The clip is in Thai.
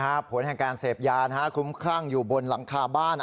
เหมือนแห่งการเสพยานฮะคุ้มข้างอยู่บนหลังคาบ้าน